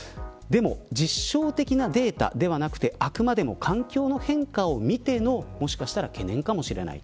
でも、実証的なデータではなくてあくまでも環境の変化を見てのもしかしたら懸念かもしれない